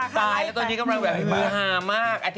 ตอนนี้กำลังแบบมือหามาก